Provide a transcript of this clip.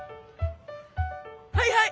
はいはい！